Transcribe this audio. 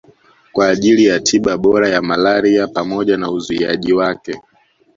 kwa ajili ya tiba bora ya malaria pamoja na uzuiaji wake